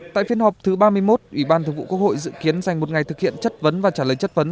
tại phiên họp thứ ba mươi một ủy ban thường vụ quốc hội dự kiến dành một ngày thực hiện chất vấn và trả lời chất vấn